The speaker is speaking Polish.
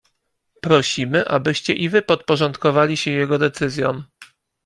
"Prosimy, abyście i wy podporządkowali się jego decyzjom."